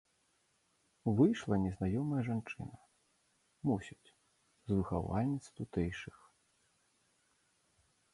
Выйшла незнаёмая жанчына, мусіць, з выхавальніц тутэйшых.